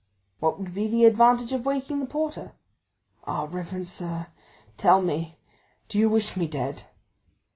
"What would be the advantage of waking the porter?" "Ah, reverend sir, tell me, do you wish me dead?"